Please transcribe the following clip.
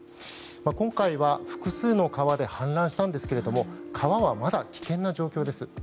今回は複数の川で氾濫したんですが川はまだ危険な状態です。